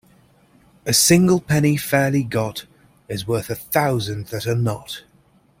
A single penny fairly got is worth a thousand that are not.